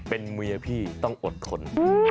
เป็นเมียพี่ต้องอดทน